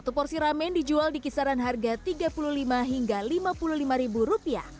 satu porsi ramen dijual di kisaran harga rp tiga puluh lima hingga rp lima puluh lima